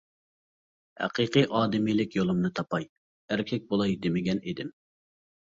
ھەقىقىي ئادىمىيلىك يولۇمنى تاپاي، ئەركەك بولاي دېمىگەن ئىدىم.